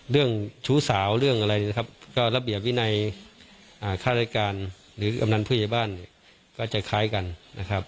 เรื่องชู้สาวเรื่องอะไรนะครับก็ระเบียบวินัยค่ารายการหรือกำนันผู้ใหญ่บ้านเนี่ยก็จะคล้ายกันนะครับ